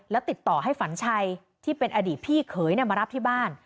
แล้วติดต่อให้ฝันชัยที่เป็นอดีตพี่เขยมารับที่บ้าน